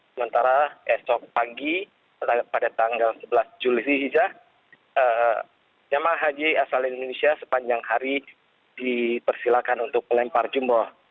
sementara esok pagi pada tanggal sebelas juli hija jemaah haji asal indonesia sepanjang hari dipersilakan untuk melempar jumroh